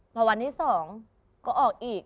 พอวันที่๒ก็ออกอีก